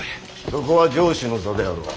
そこは城主の座であろう。